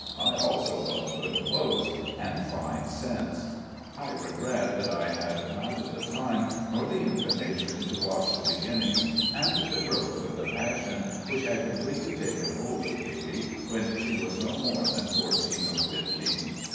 I also love good clothes and fine scents. I regret that I had neither the time nor the inclination to watch the beginnings and the growth of the passion which had completely taken hold of Katy when she was no more than fourteen or fifteen.